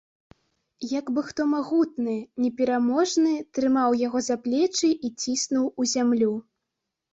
Як бы хто магутны, непераможны трымаў яго за плечы і ціснуў у зямлю.